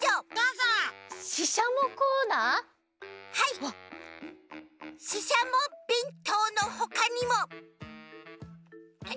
はいししゃもべんとうのほかにも。